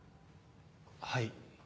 はい。